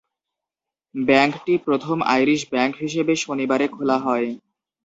ব্যাংকটি প্রথম Irish bank হিসেবে শনিবারে খোলা হয়।